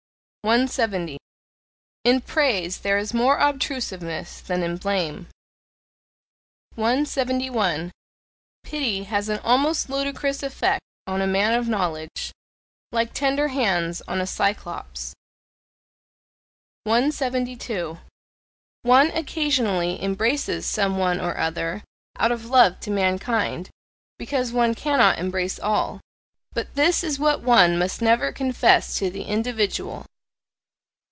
170. In praise there is more obtrusiveness than in blame. 171. Pity has an almost ludicrous effect on a man of knowledge, like tender hands on a Cyclops. 172. One occasionally embraces some one or other, out of love to mankind (because one cannot embrace all); but this is what one must never confess to the individual.